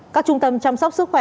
các trung tâm chăm sóc sức khỏe